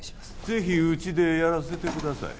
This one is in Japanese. ぜひうちでやらせてください。